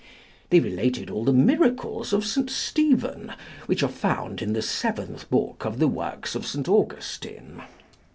They related all the miracles of St. Stephen, which are found in the seventh book of the works of St. Augustine.